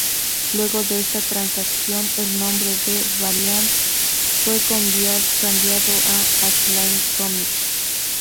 Luego de esta transacción, el nombre de Valiant fue cambiado a Acclaim Comics.